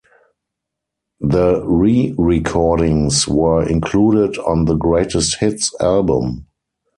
The re-recordings were included on the greatest hits album.